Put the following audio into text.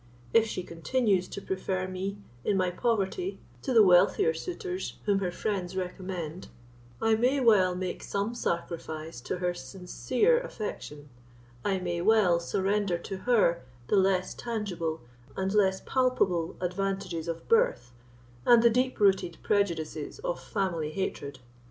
If she continues to prefer me in my poverty to the wealthier suitors whom her friends recommend, I may well make some sacrifice to her sincere affection: I may well surrender to her the less tangible and less palpable advantages of birth, and the deep rooted prejudices of family hatred.